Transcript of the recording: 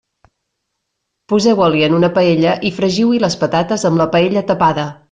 Poseu oli en una paella i fregiu-hi les patates amb la paella tapada.